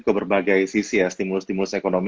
ke berbagai sisi ya stimulus stimulus ekonomi